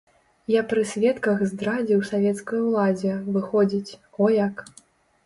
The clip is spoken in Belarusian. Я пры сведках здрадзіў савецкай уладзе, выходзіць, о як!